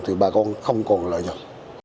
thì bà con không còn lợi nhuận